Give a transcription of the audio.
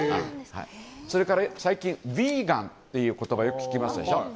それから最近、ヴィーガンという言葉をよく聞きますでしょ。